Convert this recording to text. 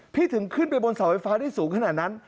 ถึงขึ้นไปบนเสาไฟฟ้าได้สูงขนาดนั้น